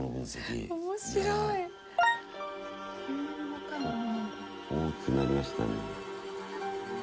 おっ大きくなりましたね。